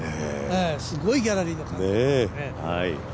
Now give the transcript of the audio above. すごいギャラリーの歓声でしたね。